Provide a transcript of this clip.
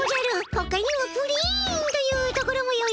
ほかにも「プリン」と言うところもよいの。